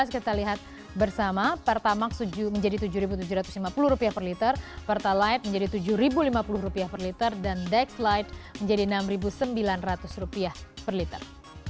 kita lihat bersama pertamax menjadi rp tujuh tujuh ratus lima puluh per liter pertalite menjadi rp tujuh lima puluh per liter dan dexlite menjadi rp enam sembilan ratus per liter